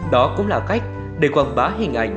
đó cũng là cách để quảng bá hình ảnh